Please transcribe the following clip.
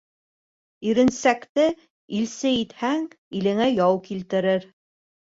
Иренсәкте илсе итһәң, илеңә яу килтерер.